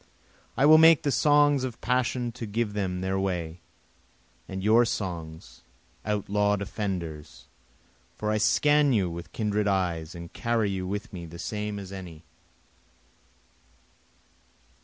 I will make the songs of passion to give them their way, And your songs outlaw'd offenders, for I scan you with kindred eyes, and carry you with me the same as any.